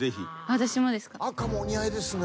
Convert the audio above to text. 私もですか？